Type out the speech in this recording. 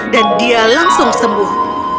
dan dia langsung sembuh